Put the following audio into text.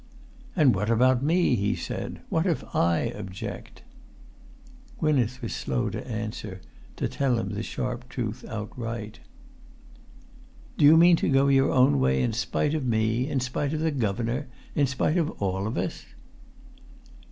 "And what about me?" he said. "What if I object?" [Pg 329]Gwynneth was slow to answer, to tell him the sharp truth outright. "Do you mean to go your own way in spite of me, in spite of the governor, in spite of all of us?"